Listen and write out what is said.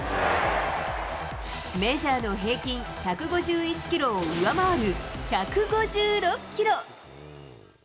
メジャーの平均１５１キロを上回る、１５６キロ。